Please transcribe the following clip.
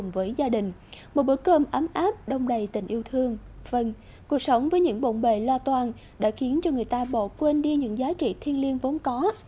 vâng cuộc sống với những bộn bề lo toàn đã khiến cho người ta bỏ quên đi những giá trị thiên liêng vốn có